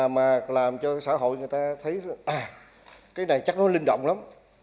mà làm cho xã hội người ta thấy à cái này chắc nó linh động lắm